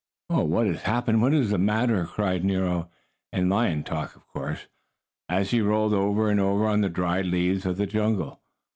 "Oh, what has happened? What is the matter?" cried Nero, in lion talk, of course, as he rolled over and over on the dried leaves of the jungle.